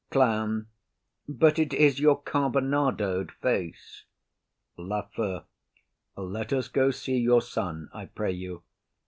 CLOWN. But it is your carbonado'd face. LAFEW. Let us go see your son, I pray you.